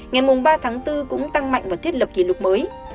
ngày ba tháng bốn cũng tăng mạnh và thiết lập kỷ lục mới